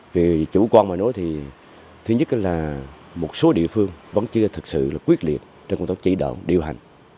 vì chủ quan mà nói thì thứ nhất là một số địa phương vẫn chưa thực sự là quyết liệt trong công tác chỉ đạo điều hành